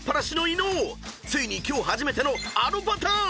ついに今日初めてのあのパターン！］